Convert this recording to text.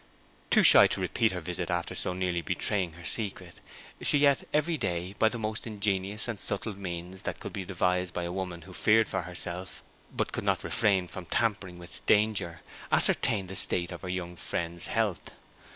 Too shy to repeat her visit after so nearly betraying her secret, she yet, every day, by the most ingenious and subtle means that could be devised by a woman who feared for herself, but could not refrain from tampering with danger, ascertained the state of her young friend's health.